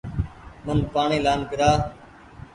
من پآڻيٚ لآن پيرآن